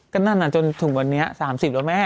ก็นั่นน่ะจนถึงวันนี้๓๐แล้วแม่